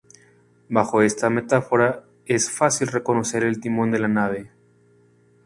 Bajo esta metáfora es fácil reconocer el timón de la nave.